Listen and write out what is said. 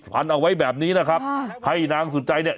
พันเอาไว้แบบนี้นะครับให้นางสุดใจเนี่ย